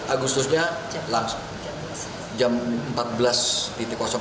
sembilan agustusnya langsung